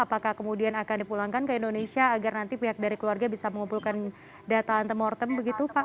apakah kemudian akan dipulangkan ke indonesia agar nanti pihak dari keluarga bisa mengumpulkan data antemortem begitu pak